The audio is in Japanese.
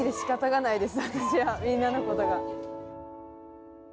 みんなのことが。